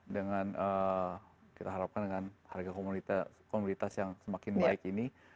dengan kita harapkan dengan harga komoditas yang semakin baik ini